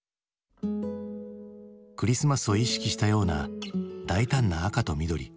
クリスマスを意識したような大胆な赤と緑。